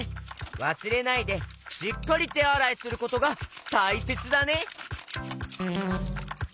わすれないでしっかりてあらいすることがたいせつだね！